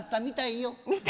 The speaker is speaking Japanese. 「みたいよ」